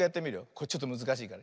これちょっとむずかしいから。